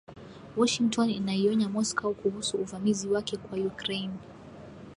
Washington inaionya Moscow kuhusu uvamizi wake kwa Ukraine